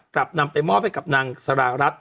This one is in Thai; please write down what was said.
กลับนำไปมอบให้กับนางสารารัฐ